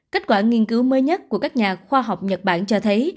kết quả nghiên cứu mới nhất của các nhà khoa học nhật bản cho thấy